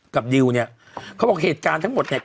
ดิวเนี่ยเขาบอกเหตุการณ์ทั้งหมดเนี่ย